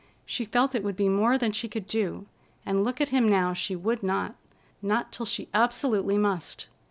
She felt it would be more than she could do, and look at him now she would not, not till she absolutely must.